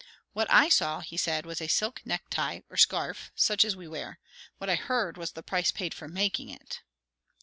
"What I saw," he said, "was a silk necktie or scarf such as we wear. What I heard, was the price paid for making it."